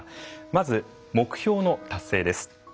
まず目標の達成です。